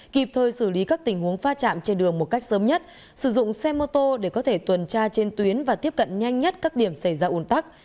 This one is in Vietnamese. kịp thời xử lý các tình huống pha chạm trên đường một cách sớm nhất sử dụng xe mô tô để có thể tuần tra trên tuyến và tiếp cận nhanh nhất các điểm xảy ra ồn tắc